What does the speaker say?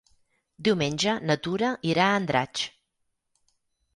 Diumenge na Tura irà a Andratx.